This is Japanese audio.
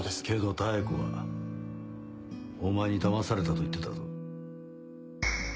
けど妙子はお前に騙されたと言ってたぞ。